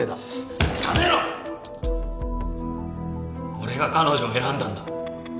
俺が彼女を選んだんだ。